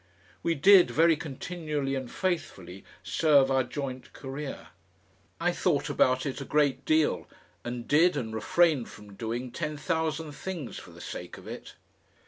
We did very continually and faithfully serve our joint career. I thought about it a great deal, and did and refrained from doing ten thousand things for the sake of it.